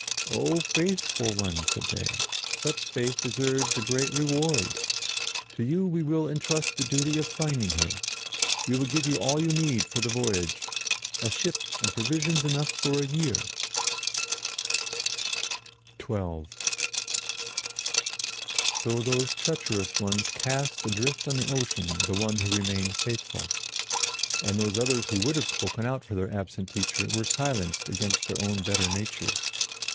"O faithful one!" said they. "Such faith deserves a great reward. To you we will entrust the duty of finding her. We will give you all you need for the voyage—a ship and provisions enough for a year!" [Illustration: ADRIFT ON THE SEA] XII So those treacherous ones cast adrift on the ocean the one who remained faithful. And those others who would have spoken out for their absent Teacher were silenced against their own better natures.